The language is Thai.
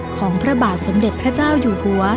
ของพระบาทสมเด็จพระเจ้าอยู่หัว